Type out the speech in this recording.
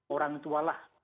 orang tua lah